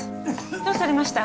どうされました？